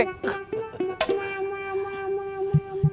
saya mau bangun rumah